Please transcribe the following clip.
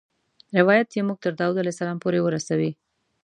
روایت یې موږ تر داود علیه السلام پورې ورسوي.